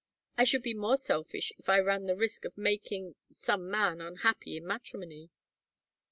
I should be more selfish if I ran the risk of making some man unhappy in matrimony."